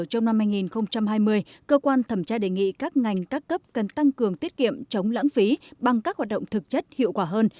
trong năm hai nghìn hai mươi cơ quan thẩm tra đề nghị các ngành các cấp cần tăng cường tiết kiệm chống lãng phí bằng các hoạt động thực chất hiệu quả hơn